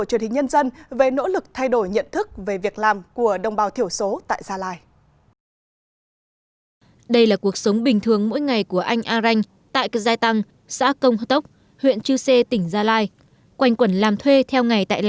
góp phần thay đổi nhận thức về việc làm môi trường làm việc theo hướng công tác